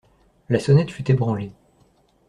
La sonnette fut ébranlée.